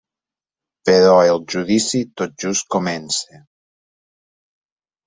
Però el judici tot just comença.